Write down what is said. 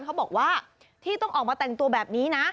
เขาบอกว่าที่ต้องออกมาแต่งตัวแบบนี้นะ